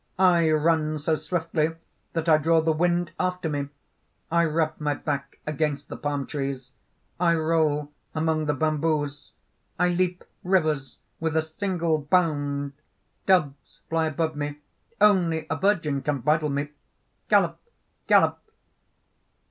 I run so swiftly that I draw the wind after me. I rub my back against the palm trees. I roll among the bamboos. I leap rivers with a single bound. Doves fly above me. Only a virgin can bridle me. "Gallop! Gallop!"